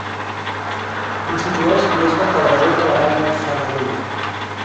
Constitueix l'eix vertebrador de la Vall del Segadell.